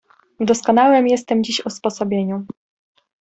"W doskonałem jestem dziś usposobieniu!"